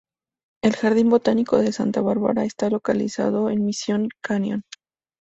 El Jardín Botánico de Santa Bárbara está localizado en Mission Canyon.